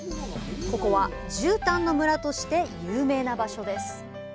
ここは絨毯の村として有名な場所です。